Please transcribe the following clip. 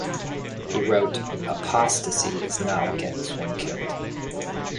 He wrote, Apostasy is not what gets one killed.